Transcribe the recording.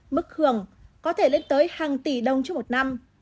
mức hưởng có thể lên tới hàng tỷ đồng trước một năm